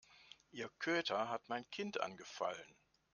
Ihr Köter hat mein Kind angefallen.